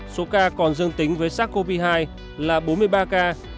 số ca còn dương tính với sars cov hai là bốn mươi ba ca